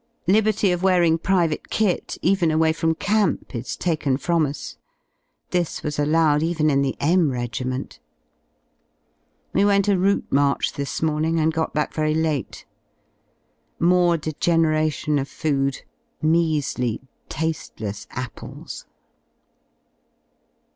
Liberty of wearing private kit, even away from camp, is taken from us. This w^s allowed even in the M Regiment. We went a route march this morning and got back very lute. More degeneration of food, measly tasT:eless apples.